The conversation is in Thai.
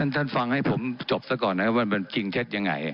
ท่านฟังให้ผมจบซะก่อนนะครับว่ามันจริงเท็จยังไง